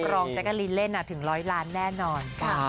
แจ๊กกะลินเล่นถึง๑๐๐ล้านแน่นอน